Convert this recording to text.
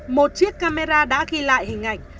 một chiếc camera đã ghi lại hình ảnh